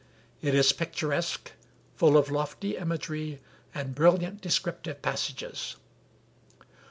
It is picturesque, full of lofty imagery and brilliant descriptive passages.